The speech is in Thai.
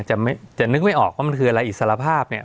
จะนึกไม่ออกว่ามันคืออะไรอิสรภาพเนี่ย